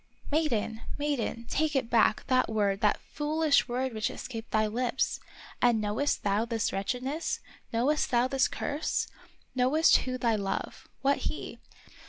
" Maiden ! maiden ! take it back, that word, that foolish word which escaped thy lips. And knowest thou this wretchedness ? Knowest thou this curse Knowest who thy love, — what he.